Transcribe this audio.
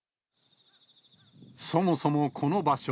そもそもこの場所。